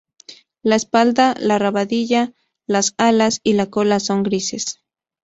La espalda, la rabadilla, las alas y la cola son grises.